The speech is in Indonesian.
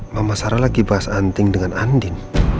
mama sarah lagi bahas anting dengan andin